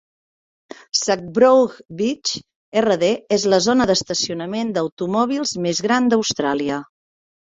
Sacbrough Beach Rd és la zona d'estacionament d'automòbils més gran d'Austràlia.